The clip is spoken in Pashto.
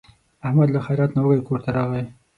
احمد له خیرات نه وږی کورته راغی.